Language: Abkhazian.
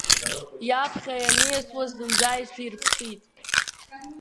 Иаԥхьа ианиасуаз зынӡа иҽирԥсит.